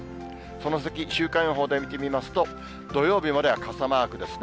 その先、週間予報で見てみますと、土曜日までは傘マークですね。